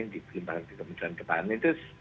di kementerian pertahanan